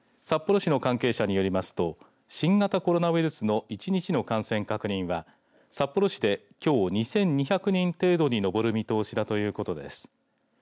札幌市の関係者によりますと新型コロナウイルスの１日の感染確認は札幌市できょう２２００人程度に上る見通しだということです。